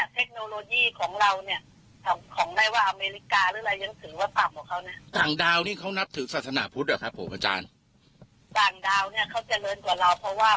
เพราะพระพุทธเจ้าเนี่ยปรับจะรู้กฎจักรวาลที่เขาคุมจักรวาลทั้งหมด